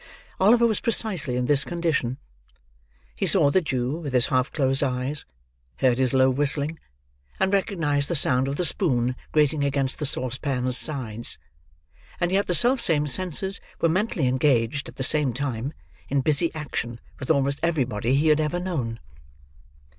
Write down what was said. Oliver was precisely in this condition. He saw the Jew with his half closed eyes; heard his low whistling; and recognised the sound of the spoon grating against the saucepan's sides: and yet the self same senses were mentally engaged, at the same time, in busy action with almost everybody he had ever known.